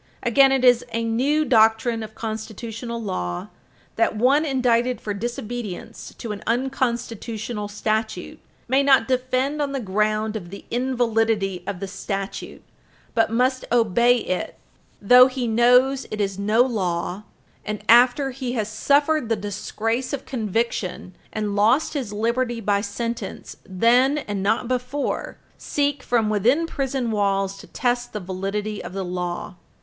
Again, it is a new doctrine of constitutional law that one indicted for disobedience to an unconstitutional statute may not defend on the ground of the invalidity of the statute, but must obey it though he knows it is no law, and, after he has suffered the disgrace of conviction and lost his liberty by sentence, then, and not before, seek, from within prison walls, to test the validity of the law.